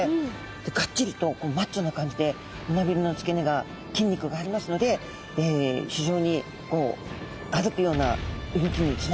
ガッチリとこうマッチョな感じで胸びれの付け根が筋肉がありますので非常に歩くような